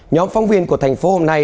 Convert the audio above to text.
nhóm phóng viên của thành phố hôm nay